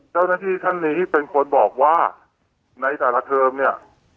ท่านที่เป็นคนบอกว่าในแตกเติมเนี่ย